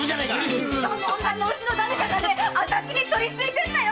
その女の内の誰かが私に取り憑いてるのよ